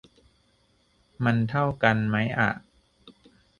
มันเท่ากันมั้ยอะ